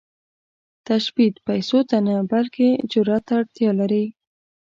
تشبث پيسو ته نه، بلکې جرئت ته اړتیا لري.